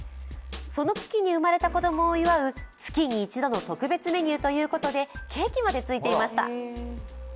その月に生まれた子供をいわゆる月に一度の特別メニューということでケーキまでついていました。